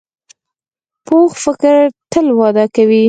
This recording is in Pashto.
پوخ فکر تل وده کوي